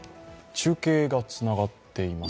中継がつながっています。